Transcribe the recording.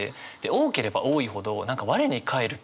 多ければ多いほどあ